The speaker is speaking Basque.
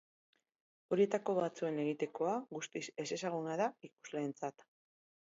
Horietako batzuen egitekoa guztiz ezezaguna da ikusleentzat.